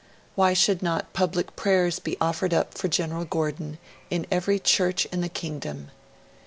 Why should not public prayers be offered up for General Gordon in every church in the kingdom?